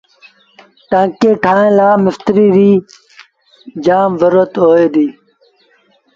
ٽآنڪي ٺآهڻ لآ مستريٚ ريٚ زرورت هوئي ديٚ